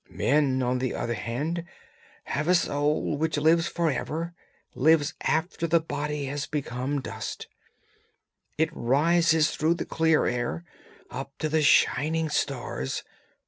Men, on the other hand, have a soul which lives for ever, lives after the body has become dust; it rises through the clear air, up to the shining stars!